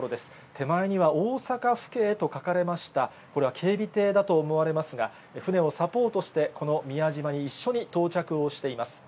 手前には大阪府警と書かれました、これは警備艇だと思われますが、船をサポートして、この宮島に一緒に到着をしています。